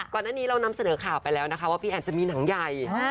ก่อนหน้านี้เรานำเสนอข่าวไปแล้วนะคะว่าพี่แอนจะมีหนังใหญ่